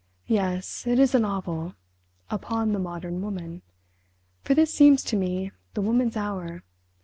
"Yes, it is a novel—upon the Modern Woman. For this seems to me the woman's hour.